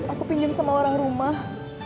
aku pinjam sama orang rumah